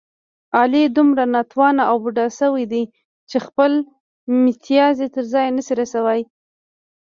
علي دومره ناتوانه و بوډا شوی دی، چې خپل متیازې تر ځایه نشي رسولی.